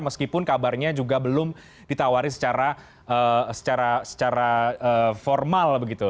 meskipun kabarnya juga belum ditawari secara formal begitu